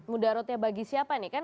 mudaratnya bagi siapa nih kan